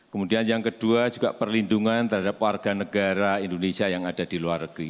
kemudian yang kedua juga perlindungan terhadap warga negara indonesia yang ada di luar negeri